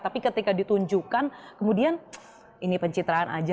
tapi ketika ditunjukkan kemudian ini pencitraan aja